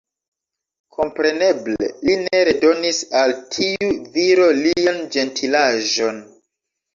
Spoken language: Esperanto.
Kompreneble li ne redonis al tiu viro lian ĝentilaĵon.